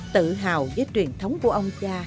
tự hào với truyền thống của ông cha